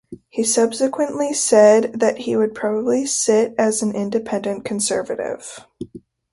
He subsequently said that he would probably sit as an "independent Conservative".